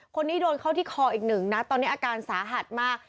คนนี้โดนเข้าที่คออีกหนึ่งนะตอนนี้อาการสาหัสมาก